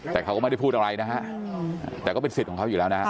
แต่เขาก็ไม่ได้พูดอะไรนะฮะแต่ก็เป็นสิทธิ์ของเขาอยู่แล้วนะฮะ